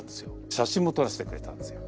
写真も撮らせてくれたんですよ。